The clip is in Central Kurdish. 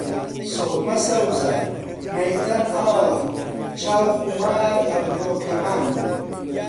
سوخمە سەوزە، مەیتەن ئاڵە، چاو خومار، ئەبرۆ کەمان